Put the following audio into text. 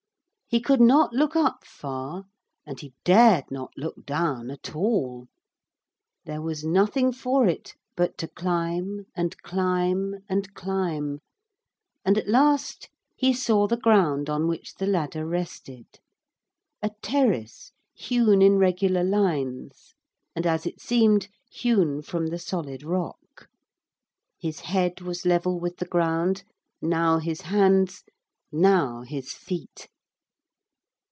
He could not look up far, and he dared not look down at all. There was nothing for it but to climb and climb and climb, and at last he saw the ground on which the ladder rested a terrace hewn in regular lines, and, as it seemed, hewn from the solid rock. His head was level with the ground, now his hands, now his feet.